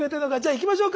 いきましょう！